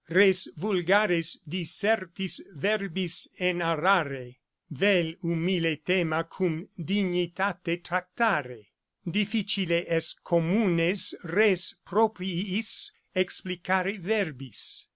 res vulgares disertis verbis enarrare, vel humile thema cum dignitate tractare. Difficile est communes res propriis explicare verbis.